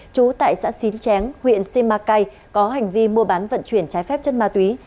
trú tại xã xín chén huyện simacai có hành vi mua bán vận chuyển trái phép chất ma túy